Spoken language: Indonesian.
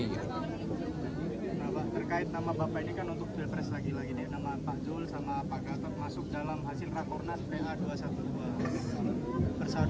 terkait nama bapak ini kan untuk pilpres lagi lagi